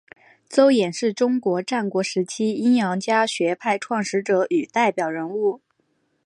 邹衍是中国战国时期阴阳家学派创始者与代表人物。